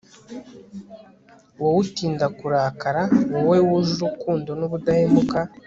wowe utinda kurakara, wowe wuje urukundo n'ubudahemuka